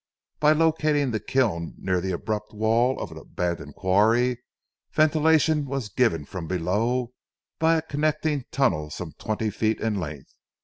By locating the kiln near the abrupt wall of an abandoned quarry, ventilation was given from below by a connecting tunnel some twenty feet in length.